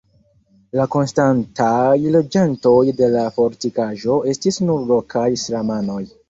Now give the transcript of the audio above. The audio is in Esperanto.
La konstantaj loĝantoj de la fortikaĵo estis nur lokaj islamanoj.